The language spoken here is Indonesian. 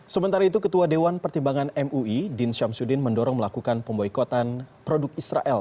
sementara itu ketua dewan pertimbangan mui din syamsuddin mendorong melakukan pemboikotan produk israel